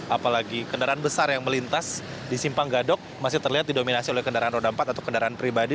apalagi kendaraan besar yang melintas di simpang gadok masih terlihat didominasi oleh kendaraan roda empat atau kendaraan pribadi